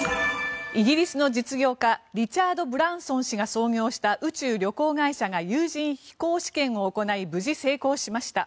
イギリスの実業家リチャード・ブランソン氏が創業した宇宙旅行会社が有人飛行試験を行い無事、成功しました。